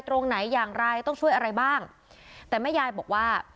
ตรงไหนอย่างไรต้องช่วยอะไรบ้างแต่แม่ยายบอกว่า